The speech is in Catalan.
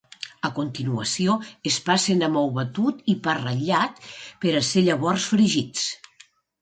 A continuació es passen amb ou batut i pa ratllat per a ser llavors fregits.